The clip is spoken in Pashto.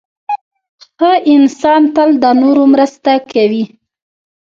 • ښه انسان تل د نورو مرسته کوي.